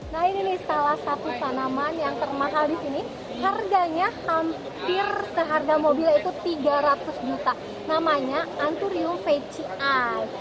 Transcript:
nah ini nih salah satu tanaman yang termahal di sini harganya hampir seharga mobilnya itu tiga ratus juta namanya anturium fecian